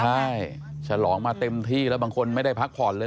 ใช่ฉลองมาเต็มที่แล้วบางคนไม่ได้พักผ่อนเลย